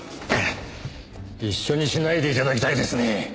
一緒にしないで頂きたいですね！